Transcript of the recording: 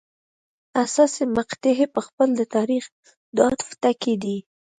حساسې مقطعې په خپله د تاریخ د عطف ټکي دي.